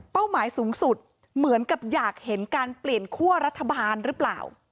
หมายสูงสุดเหมือนกับอยากเห็นการเปลี่ยนคั่วรัฐบาลหรือเปล่า